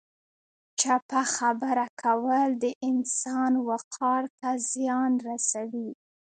چپه خبره کول د انسان وقار ته زیان رسوي.